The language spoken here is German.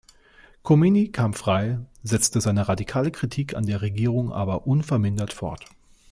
Chomeini kam frei, setzte seine radikale Kritik an der Regierung aber unvermindert fort.